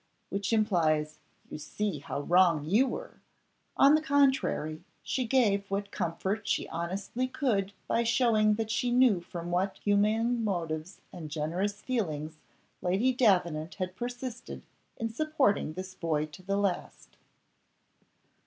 which implies, "You see how wrong you were!" On the contrary, she gave what comfort she honestly could by showing that she knew from what humane motives and generous feelings Lady Davenant had persisted in supporting this boy to the last.